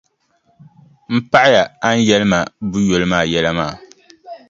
M paɣiya a ni yɛli ma buʼ yoli maa yɛla maa.